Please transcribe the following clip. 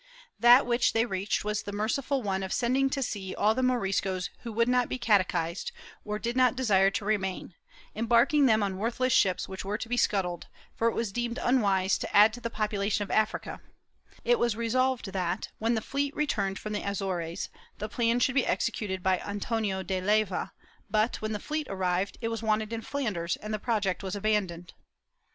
That which they reached was the merciful one of sending to sea all the Moriscos who would not be catechised or did not desire to remain, embarking them on worthless ships which were to be scuttled, for it was deemed unwise to add to the population of Africa; it was resolved that, when the fleet returned from the Azores, the plan should be executed by Antonio de Leyva but, when the fleet arrived, it was wanted in Flanders, and the project was abandoned.